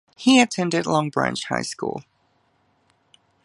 He attended Long Branch High School.